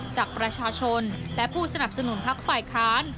จากประชาชนและผู้สนับสนุนพักฝ่ายค้าน